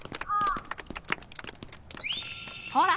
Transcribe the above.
ほら！